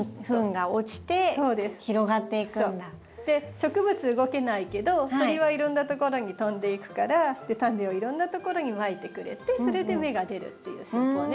植物動けないけど鳥はいろんなところに飛んでいくからタネをいろんなところにまいてくれてそれで芽が出るっていう戦法ね。